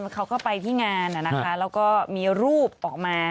เขาก็ไปที่งานแล้วก็มีรูปออกมา